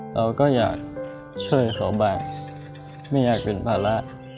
เราก็อยากช่วยเขาบ้างไม่อยากเป็นภาระ